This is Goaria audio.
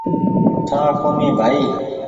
ٺآ ڪونيٚ ڀآئي